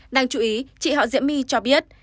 đang chú ý chị họ diễm my cho biết